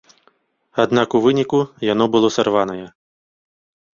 Аднак у выніку яно было сарванае.